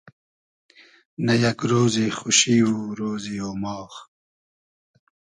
نۂ یئگ رۉزی خوشی و رۉزی اۉماغ